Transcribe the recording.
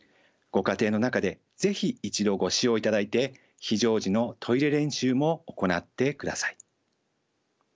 ご家庭の中で是非一度ご使用いただいて非常時のトイレ練習も行ってください。